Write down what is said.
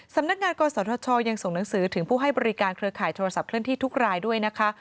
สำนักงานกศธชยังส่งหนังสือถึงผู้ให้บริการเครือข่ายโทรศัพท์เคลื่อนที่ทุกรายด้วยนะคะ